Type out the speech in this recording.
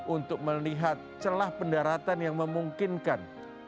untuk melihat celah pendaratan yang memungkinkan